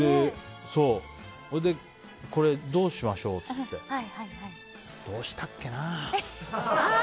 そう、それでこれどうしましょう？って言ってどうしたっけな。